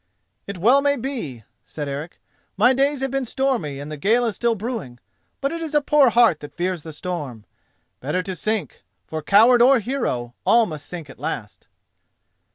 "It well may be," said Eric: "my days have been stormy, and the gale is still brewing. But it is a poor heart that fears the storm. Better to sink; for, coward or hero, all must sink at last."